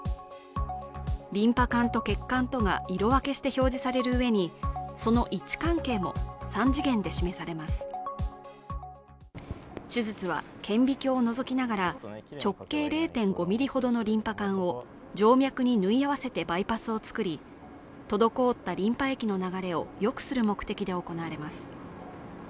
リンパ管と血管とが色分けして表示されるうえにその位置関係も３次元で示されます手術は顕微鏡をのぞきながら、直径０．５ｍｍほどのリンパ管を静脈に縫い合わせてバイパスを作り滞ったリンパ液の流れをよくする目的で行われます。